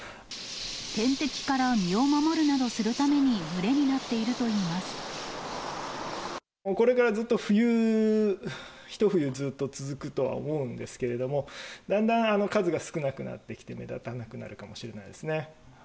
天敵から身を守るなどするたこれからずっと冬、ひと冬ずっと続くとは思うんですけれども、だんだん数が少なくなってきて、目立たなくなるかもしれないですね。